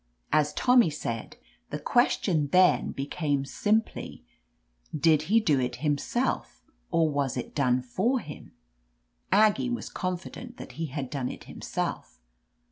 As Tommy said, the Question then became simply, did he do it him self or was it done for him? Aggie was confident that he had done it him self.